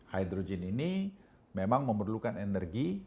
hydrogen ini memang memerlukan energi